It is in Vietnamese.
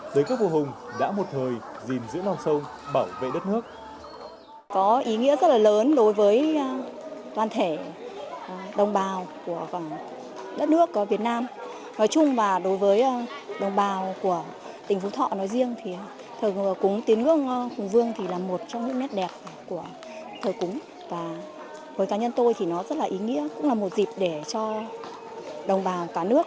đối cấp vua hùng đã một thời dìm giữa lòng sâu